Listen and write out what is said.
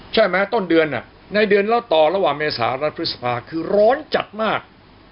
ใช่ไหมต้นเดือนในเดือนเล่าต่อระหว่างเมษารัฐพฤษภาคือร้อนจัดมาก